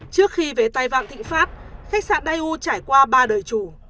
trước khi về tài vạn thịnh pháp khách sạn dai u trải qua ba đời chủ